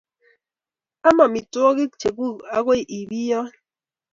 Am amitwogik chekuk agoi I piyony